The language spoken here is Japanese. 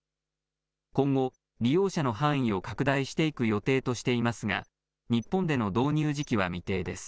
今後、利用者の範囲を拡大していく予定としていますが日本での導入時期は未定です。